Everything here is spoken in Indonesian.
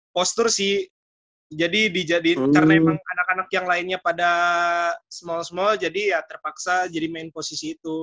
postur sih jadi karena emang anak anak yang lainnya pada small small jadi ya terpaksa jadi main posisi itu